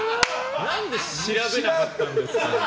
何で調べなかったんですか。